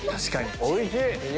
おいしい！